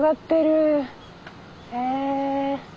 へえ。